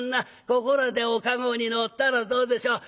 ここらでお駕籠に乗ったらどうでしょう」